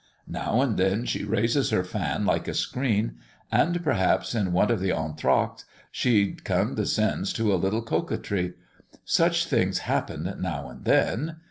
Now and then she raises her fan like a screen; and perhaps in one of the entre actes she condescends to a little coquetry. Such things happen now and then.